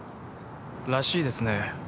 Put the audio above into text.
らしいですね。